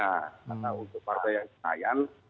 karena untuk partai yang kenaian